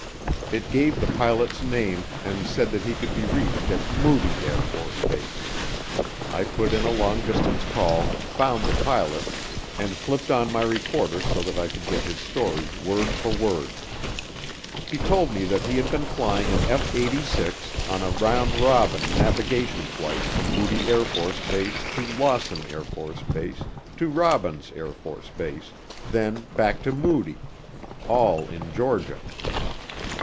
It gave the pilot's name and said that he could be reached at Moody AFB. I put in a long distance call, found the pilot, and flipped on my recorder so that I could get his story word for word. He told me that he had been flying an F 86 on a "round robin" navigation flight from Moody AFB to Lawson AFB to Robins AFB, then back to Moody all in Georgia.